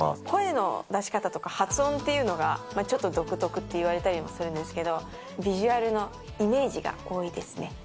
声の出し方とか、発音っていうのがちょっと独特って言われたりもするんですけど、ビジュアルのイメージが多いですね。